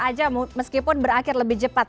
aja meskipun berakhir lebih cepat